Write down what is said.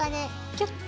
キュッと。